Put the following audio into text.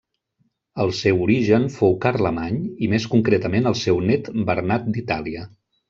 El seu origen fou Carlemany i més concretament el seu nét Bernat d'Itàlia.